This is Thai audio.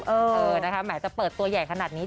เออนะคะแหมจะเปิดตัวใหญ่ขนาดนี้